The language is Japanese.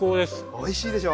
おいしいでしょう？